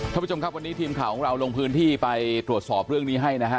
ท่านผู้ชมครับวันนี้ทีมข่าวของเราลงพื้นที่ไปตรวจสอบเรื่องนี้ให้นะฮะ